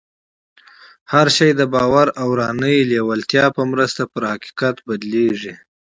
هر شی د باور او اورنۍ لېوالتیا په مرسته پر حقیقت بدلېږي